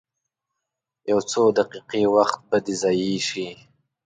یو څو دقیقې وخت به دې ضایع شي.